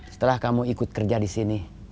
setelah kamu ikut kerja di sini